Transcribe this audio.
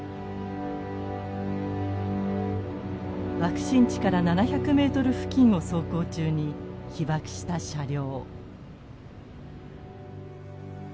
爆心地から７００ｍ付近を走行中に被爆した車両。